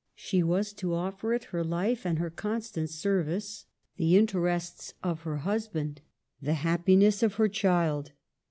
She was to offer it her life and her constant service, the interests of her husband, the happiness of her child.